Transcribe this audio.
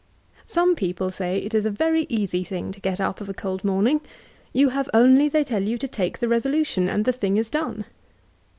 Some people say it is a very easy thing to get up of a cold morning. You have only, they tell you, to take the resolution; and the thing is done.